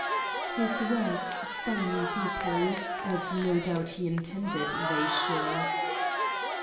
His words stung me deeply, as no doubt he intended they should.